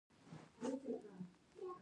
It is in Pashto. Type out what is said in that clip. ټولنیز شعور د ملتونو د بیدارۍ نښه ده.